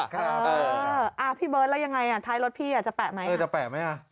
ครับอาพี่เบิ้ลแล้วยังไงท้ายรถพี่จะแปะไหมนะจะแปะไหมฮะ